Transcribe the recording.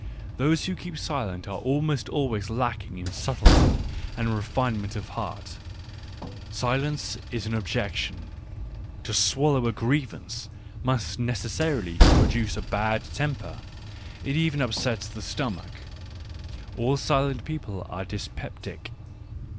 £Those < who keep silent are almost always lacking in subtlety and refinement of heart ; silence is an objection, to swallow a grievance must necessarily produce a bad temper — it even upsets the stomach. All silent people are dyspeptic.